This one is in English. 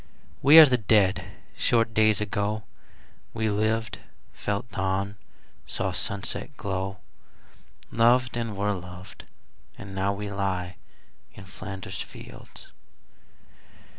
We are the Dead. Short days ago We lived, felt dawn, saw sunset glow, Loved, and were loved, and now we lie In Flanders fields.